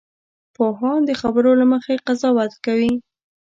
پوهان د خبرو له مخې قضاوت کوي